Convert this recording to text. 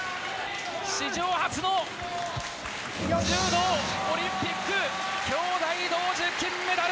史上初の柔道オリンピック兄妹同時金メダル！